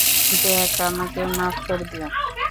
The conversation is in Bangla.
জ্যাক, আমাকে মাফ করে দিও।